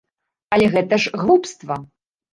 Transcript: Але гэта ж глупства.